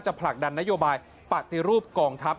ผลักดันนโยบายปฏิรูปกองทัพ